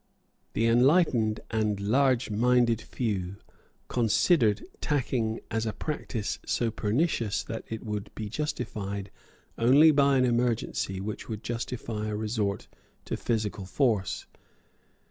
The enlightened and large minded few considered tacking as a practice so pernicious that it would be justified only by an emergency which would justify a resort to physical force.